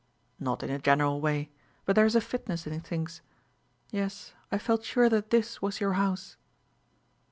"Not in a general way; but there is a fitness in things. Yes, I felt sure that this was your house."